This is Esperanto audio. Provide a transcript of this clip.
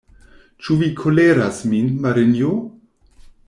Ĉu vi koleras min, Marinjo?